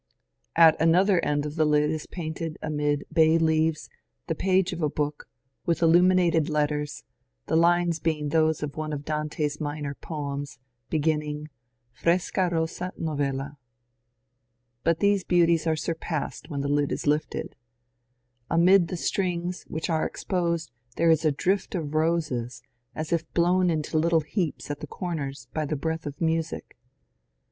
At another end of the lid is painted amid bay leaves the page of a book, with illuminated letters, the lines being those of one of Dante's minor poems, beginning, ^^ Fresca rosa novella." But these beauties are surpassed when the lid is lifted. Amid the strings, which are exposed, there is a drift of roses, as if blown into little heaps at the corners by the breath of music.